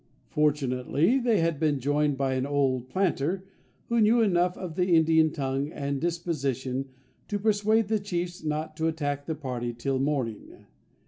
Fortunately they had been joined by an old planter, who knew enough of the Indian tongue and disposition to persuade the chiefs not to attack the party till morning.